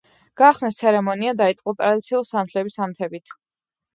გახსნის ცერემონია დაიწყო ტრადიციული სანთლების ანთებით.